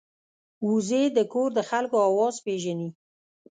وزې د کور د خلکو آواز پېژني